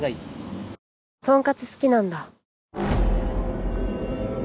とんかつ好きなんだ。